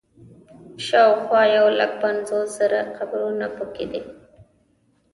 شاوخوا یو لک پنځوس زره قبرونه په کې دي.